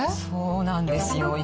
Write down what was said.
そうなんですよ。